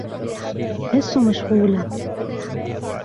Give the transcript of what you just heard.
لست مشغولة.